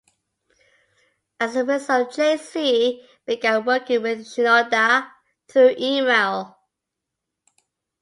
As a result, Jay-Z began working with Shinoda through email.